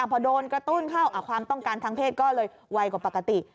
พอโดนกระตุ้นเข้าความต้องการทางเพศก็เลยไวกว่าปกติ